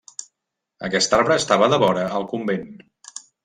Aquest arbre estava devora el convent.